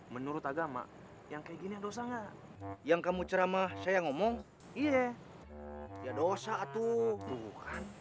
menurut agama yang kayak gini dosa enggak yang kamu ceramah saya ngomong iya dosa tuh